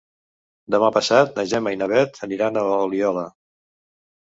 Demà passat na Gemma i na Bet aniran a Oliola.